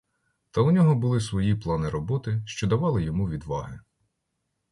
Та у нього були свої плани роботи, що давали йому відваги.